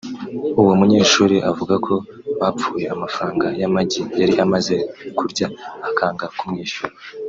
uwo munyeshuri avuga ko bapfuye amafaranga y’amagi yari amaze kurya akanga kumwishyura